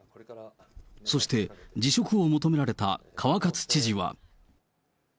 そして、辞職を求められた川勝知事は。